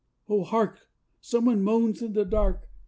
. Oh, hark! Someone moans in the dark.